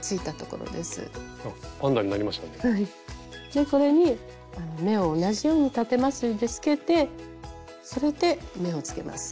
これに目を同じようにたてまつりでつけてそれで目をつけます。